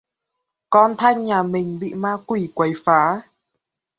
con thanh nhà mình bị ma quỷ Quấy phá